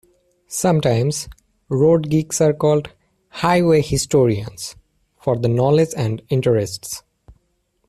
Sometimes, road geeks are called "highway historians" for the knowledge and interests.